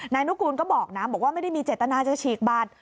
นุกูลก็บอกนะบอกว่าไม่ได้มีเจตนาจะฉีกบัตร